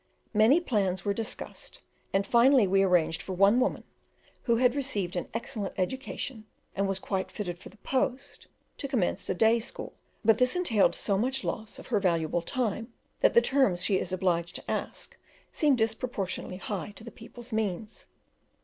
Many plans were discussed, and finally we arranged for one woman, who had received an excellent education and was quite fitted for the post, to commence a day school; but this entailed so much loss of her valuable time that the terms she is obliged to ask seem disproportionately high to the people's means.